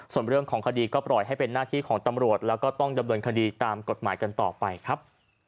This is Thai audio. ส่วนเรื่องของคดีก็ปล่อยให้เป็นหน้าที่ของตำรวจแล้วก็ต้องดำเนินคดีตามกฎหมายกันต่อไปครับ